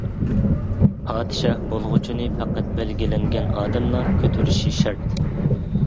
-پادىشاھ بولغۇچىنى پەقەت بەلگىلەنگەن ئادەملا كۆتۈرۈشى شەرت.